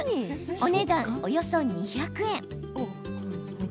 お値段、およそ２００円。